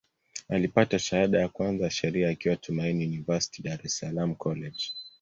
Alipata shahada ya kwanza ya Sheria akiwa Tumaini University, Dar es Salaam College.